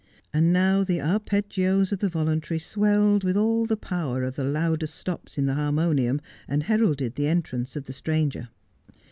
And now the arpeggios of the voluntary swelled with all the power of the loudest stops in the harmonium, and heralded the entrance of the stranger.